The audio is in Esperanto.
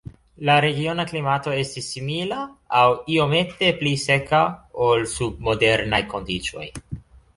La regiona klimato estis simila aŭ iomete pli seka ol sub modernaj kondiĉoj.